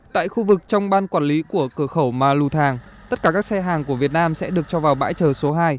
tại khu vực trong ban quản lý của cửa khẩu ma lưu thàng tất cả các xe hàng của việt nam sẽ được cho vào bãi chờ số hai